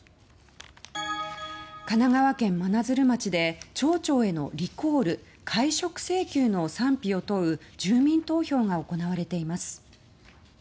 神奈川県真鶴町で町長へのリコール・解職請求の賛否を問う住民投票が行われています。